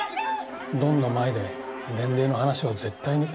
ドンの前で年齢の話は絶対にＮＧです。